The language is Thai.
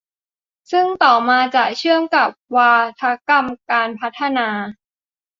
ซึ่งต่อมาจะเชื่อมกับวาทกรรมการพัฒนา